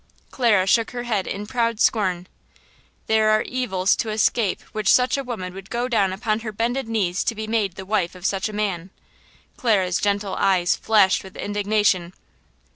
'" Clara shook her head in proud scorn. "There are evils to escape which such a woman would go down upon her bended knees to be made the wife of such a man." Clara's gentle eyes flashed with indignation.